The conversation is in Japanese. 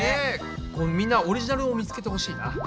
みんなオリジナルを見つけてほしいな。